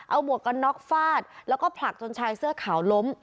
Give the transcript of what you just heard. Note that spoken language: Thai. เอาหมวกกันน็อกฟาดแล้วก็ผลักจนชายเสื้อขาวล้ม